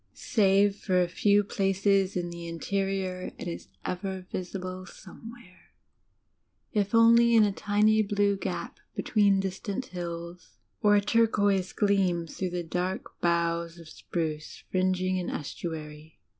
Save for a few places in the interior, it is ever visible somewhere, if only in a dny blue gap between distant hills, or a turquoise gleam through the dark boughs of spruce fringing an estu ary.